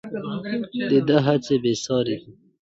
د ده هڅې بې ساري دي.